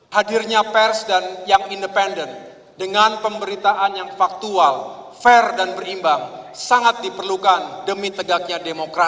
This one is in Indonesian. hadirnya pers dan yang independen dengan pemberitaan yang faktual fair dan berimbang sangat diperlukan demi tegaknya demokrasi